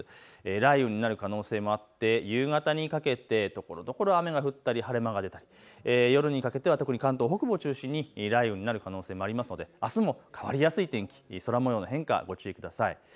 雷雨になる可能性もあって夕方にかけてところどころ雨が降ったり晴れ間が出たり夜にかけては特に関東北部を中心に雷雨になる可能性があるのであすも変わりやすい天気、空もようの変化にご注意ください。